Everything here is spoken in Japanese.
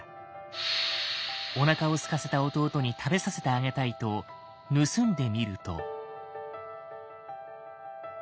おなかをすかせた弟に食べさせてあげたいと盗んでみると。